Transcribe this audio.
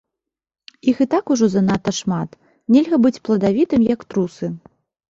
Іх і так ужо занадта шмат, нельга быць пладавітым, як трусы.